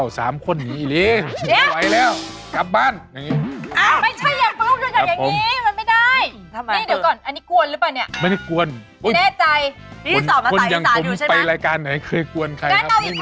อ้าวไม่ใช่อย่างก็ต้องดูอย่างอย่างนี้มันไม่ได้